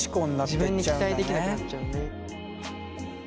自分に期待できなくなっちゃうね。